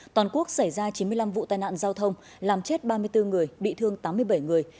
toàn quốc xảy ra chín mươi năm vụ tai nạn giao thông làm chết ba mươi bốn người bị thương tám mươi bảy người